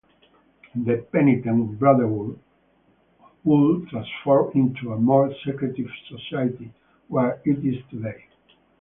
The Penitente Brotherhood would transform into a more secretive society, where it is today.